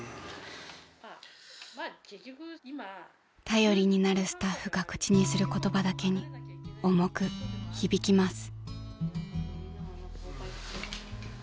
［頼りになるスタッフが口にする言葉だけに重く響きます］